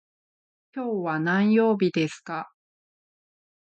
今日は何曜日ですか。